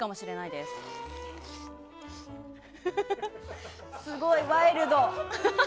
すごい、ワイルド。